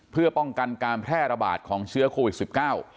เพื่อป้องกันการแพร่ระบาดของเชื้อโควิดสิบเก้า